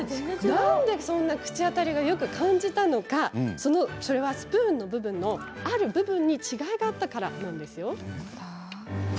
なんでそんなに口当たりよく感じたのか、それはスプーンのある部分に違いがあったからなんですよ。